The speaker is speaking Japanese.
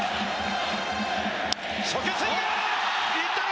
初球スイング！